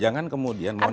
jangan kemudian mohon maaf